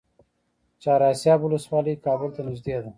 چهار اسیاب ولسوالۍ کابل ته نږدې ده؟